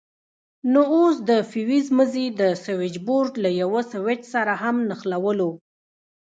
نو اوس د فيوز مزي د سوېچبورډ له يوه سوېچ سره هم نښلوو.